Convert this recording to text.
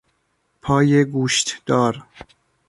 پای گوشت دار